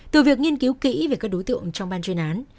từ việc nghiên cứu kỹ về các đối tượng trong ban chuyên án